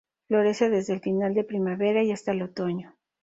Florece desde final de primavera y hasta el otoño.